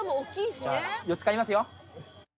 ４つ買いますよ。